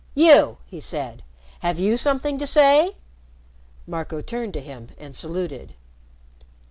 "You," he said. "Have you something to say?" Marco turned to him and saluted.